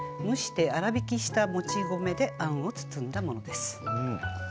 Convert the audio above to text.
蒸して粗びきしたもち米であんを包んだものです。